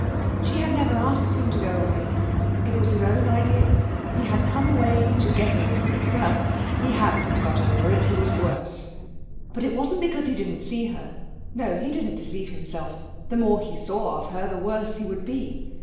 She had never asked him to go away. It was his own idea. He had come away to get over it. Well, he hadn't got over it. He was worse. But it wasn't because he didn't see her; no, he didn't deceive himself. The more he saw of her the worse he would be.